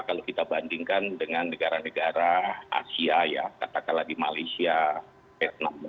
kalau kita bandingkan dengan negara negara asia ya katakanlah di malaysia vietnam